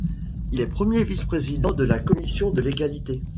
Il est premier vice-président de la commission de l'Égalité.